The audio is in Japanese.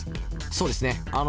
そうですね。